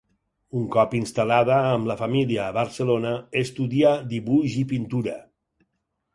Un cop instal·lada amb la família a Barcelona, estudià dibuix i pintura.